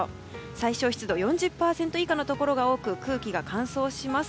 最小湿度４０％以下のところが多く、空気が乾燥します。